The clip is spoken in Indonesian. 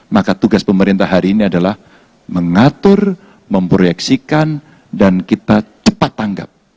maka tugas pemerintah hari ini adalah mengatur memproyeksikan dan kita cepat tanggap